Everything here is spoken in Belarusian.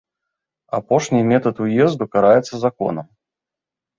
Апошні метад уезду караецца законам.